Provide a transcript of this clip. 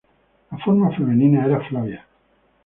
La forma femenina era Flavia.